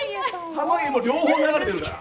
濱家、両方、流れてるから。